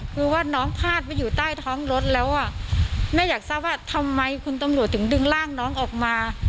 คือว่าน้องพาดไปอยู่ใต้ท้องรถแล้วอ่ะแม่อยากทราบว่าทำไมคุณตำรวจถึงดึงร่างน้องออกมา